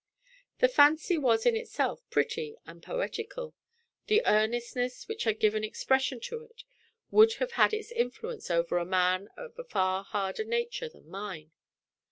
The fancy was in itself pretty and poetical; the earnestness which had given expression to it would have had its influence over a man of a far harder nature than mine.